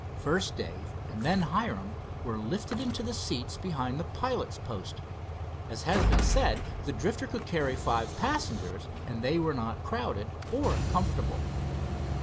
First Dave and then Hiram were lifted into the seats behind the pilot's post. As has been said, the Drifter could carry five passengers, and they were not crowded or uncomfortable.